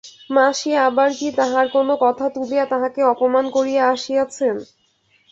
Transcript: মাসি আবার কি তাহার কোনো কথা তুলিয়া তাঁহাকে অপমান করিয়া আসিয়াছেন!